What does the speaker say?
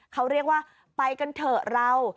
เขาเรียกว่าไปกันเถอะเรา